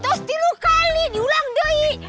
terus tiga kali diulang deh